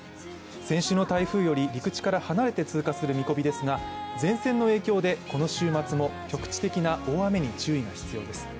先週の台風より陸地から離れて通過する見込みですが前線の影響で、この週末も局地的な雨に注意が必要です。